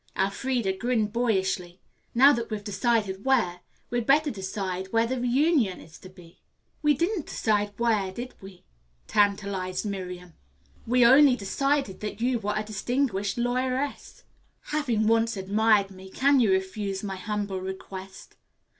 Elfreda grinned boyishly. "Now that we've decided where, we'd better decide when the reunion is to be." "We didn't decide where, did we?" tantalized Miriam. "We only decided that you were a distinguished lawyeress." "Having once admired me, can you refuse my humble request?"